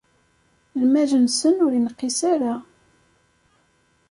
Lmal-nsen ur inqis ara.